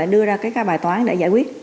đưa ra các bài toán để giải quyết